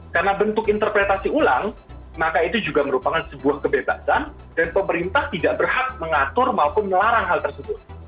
karena bentuk interpretasi ulang maka itu juga merupakan sebuah kebebasan dan pemerintah tidak berhak mengatur maupun melarang hal tersebut